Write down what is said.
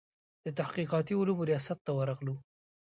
د تحقیقاتي علومو ریاست ته ورغلو.